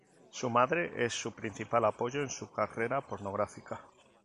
Su madre es su principal apoyo en su carrera pornográfica.